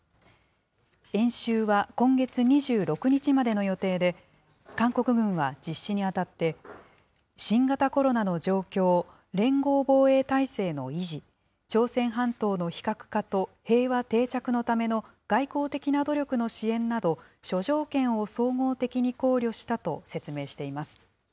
演習は今月２６日までの予定で、韓国軍は実施にあたって、新型コロナの状況、連合防衛体制の維持、朝鮮半島の非核化と平和定着のための外交的な努力の支援など、諸条件を総合的に考慮したと説明しています。